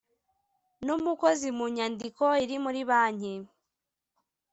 n’umukozi mu nyandiko iri muri banki